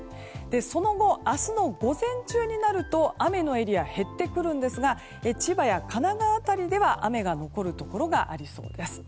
その後、明日の午前中になると雨のエリアは減ってくるんですが千葉や神奈川辺りでは雨が残るところがありそうです。